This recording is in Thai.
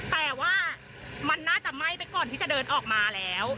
แต่ว่ามันน่าจะไหม้ไปก่อนที่จะเดินออกมาแล้ว